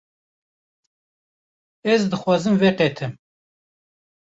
Ez dixwazim veqetim.